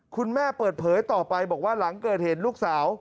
คุณแม่เปิดเผยต่อไปบอกว่าหลังเกิดเหตุลูกสาว